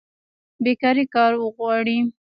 بیکاري کار غواړي